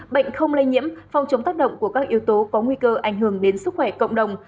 bệnh không lây nhiễm phòng chống tác động của các yếu tố có nguy cơ ảnh hưởng đến sức khỏe cộng đồng